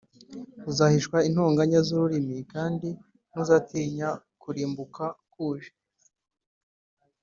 Uzahishwa intonganya z’ururimi, Kandi ntuzatinya kurimbuka kuje.